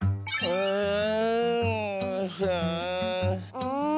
うん。